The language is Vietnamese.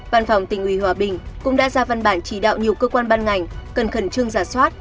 văn phòng tỉnh ủy hòa bình cũng đã ra văn bản chỉ đạo nhiều cơ quan ban ngành cần khẩn trương giả soát